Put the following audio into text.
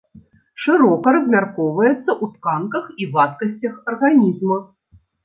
Шырока размяркоўваецца ў тканках і вадкасцях арганізма.